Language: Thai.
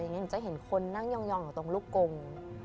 หนูจะเห็นคนนั่งยองอยู่ตรงลูกกง